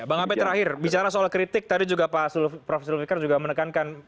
bang abed terakhir bicara soal kritik tadi juga pak prof zulfikar juga menekankan